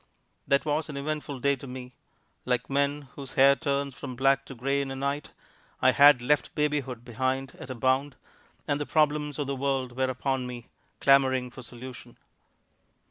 That was an eventful day to me. Like men whose hair turns from black to gray in a night, I had left babyhood behind at a bound, and the problems of the world were upon me, clamoring for solution.